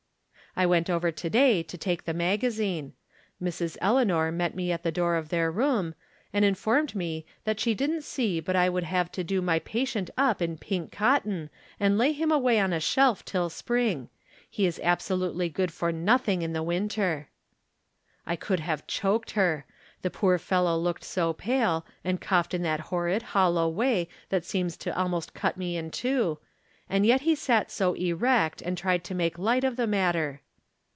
I went over to day to take the magazine. Mrs. Eleanor met me at the door of their room, and From Different Standpoints. Ill informed me that she didn't see but I would have to do my patient up in pink cotton and lay him away on a slielf till spring ; he is absolutely good for nothing in the winter. I could have choked her. The poor fellow looked so pale, and coughed in that horrid, hol low way that seems to almost cut me in two ; and yet he sat so erect and tried to make light of the matter.